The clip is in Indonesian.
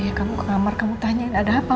ya kamu ke kamar kamu tanyain ada apa